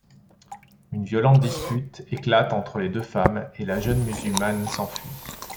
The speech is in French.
Une violente dispute éclate entre les deux femmes et la jeune musulmane s’enfuit.